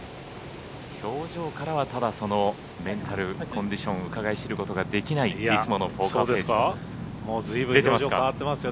表情からはメンタルコンディションをうかがい知ることができないいつものポーカーフェースですが。